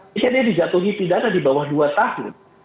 misalnya dijatuhi pidana di bawah dua tahun